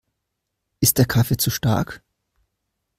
Ist der Kaffee zu stark?